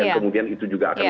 kemudian itu juga akan